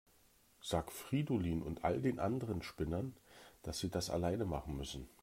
Sag Fridolin und all den anderen Spinnern, dass sie das alleine machen müssen.